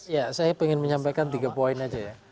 ya saya ingin menyampaikan tiga poin aja ya